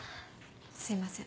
すいません。